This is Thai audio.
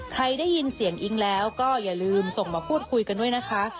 ใครได้ยินเสียงอิ๊งแล้วก็อย่าลืมส่งมาพูดคุยกันด้วยนะคะ